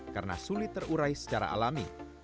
karena sulit terurai secara alami